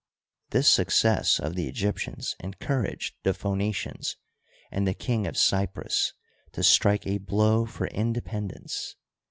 This success of the Egyptians encour aged the Phoenicians and the King of Cyprus to strike a blow for independence.